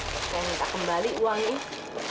saya minta kembali uangnya